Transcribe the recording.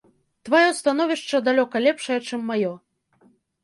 Тваё становішча далёка лепшае, чым маё.